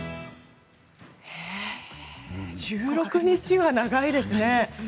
１６日は長いですね。